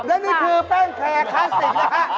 และนี่คือแป้งแคร์คลาสสิกนะฮะ